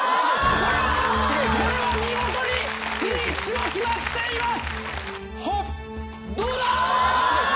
これは見事にフィニッシュも決まっています！